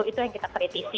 itu yang kita kritisi